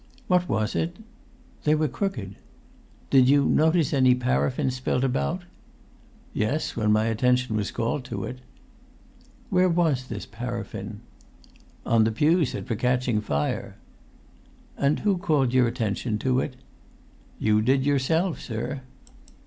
"What was it?" "They were crooked." "Did you notice any paraffin spilt about?" "Yes, when my attention was called to it." "Where was this paraffin?" "On the pews that were catching fire." "And who called your attention to it?" "You did yourself, sir."